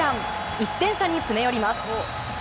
１点差に詰め寄ります。